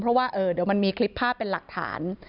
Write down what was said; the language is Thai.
เพราะว่าเดี๋ยวมันมีคลิปภาพเป็นหลักฐาน